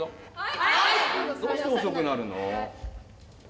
どうして遅くなるの？